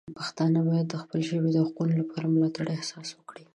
پښتانه باید د خپلې ژبې د حقونو لپاره د ملاتړ احساس وکړي.